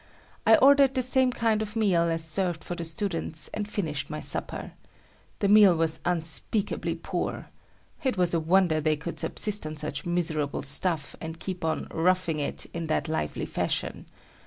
I ordered the same kind of meal as served for the students, and finished my supper. The meal was unspeakably poor. It was a wonder they could subsist on such miserable stuff and keep on "roughing it" in that lively fashion.